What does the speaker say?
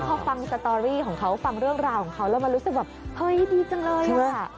พอฟังสตอรี่ของเขาฟังเรื่องราวของเขาแล้วมันรู้สึกแบบเฮ้ยดีจังเลยอ่ะ